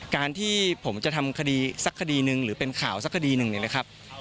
การที่ผมจะทำคดีสักคดีหนึ่งหรือเป็นข่าวสักคดีหนึ่งเนี่ยนะครับ